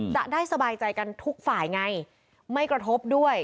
จะได้สบายใจกันทุกฝ่ายไงไม่กระทบด้วย